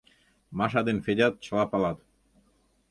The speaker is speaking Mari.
Маша ден Федят чыла палат.